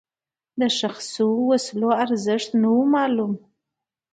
د ښخ شوو وسلو ارزښت نه و معلوم.